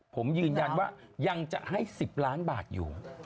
ผมยืนยันว่ายังจะให้๑๐ล้านบาทอยู่